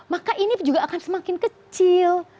maka ini juga akan semakin kecil